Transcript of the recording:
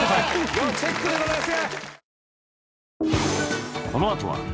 要チェックでございます